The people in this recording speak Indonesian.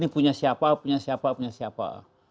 ini punya siapa punya siapa punya siapa